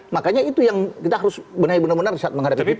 makanya itu yang kita harus benar benar saat menghadapi itu